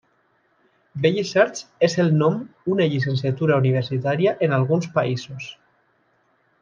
Belles arts és el nom una llicenciatura universitària en alguns països.